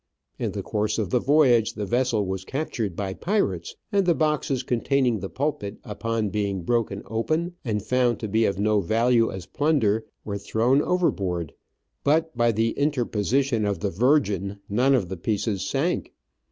In the course of the voyage the vessel was cap tured by pirates, and the boxes containing the pulpit, upon being broken open and Digitized by VjOOQIC OF AN Orchid Hunter. 211 found to be of no value as plunder, were thrown overboard, but, by the interposition of the Virgin, none of the pieces sank.